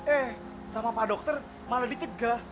eh sama pak dokter malah dicegah